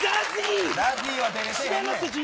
ＺＡＺＹは出てへんねん。